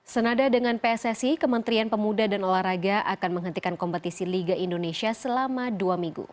senada dengan pssi kementerian pemuda dan olahraga akan menghentikan kompetisi liga indonesia selama dua minggu